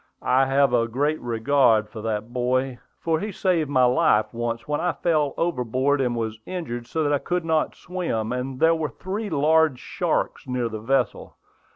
"I have a great regard for that boy, for he saved my life once when I fell overboard and was injured so that I could not swim, and there were three large sharks near the vessel.